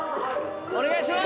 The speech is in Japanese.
お願いします